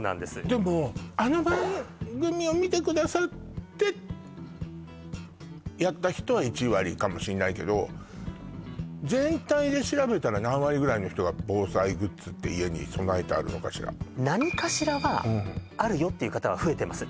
でもあの番組を見てくださってやった人は１割かもしんないけど全体で調べたら何割ぐらいの人が防災グッズって家に備えてあるのかしら何かしらはあるよっていう方は増えてます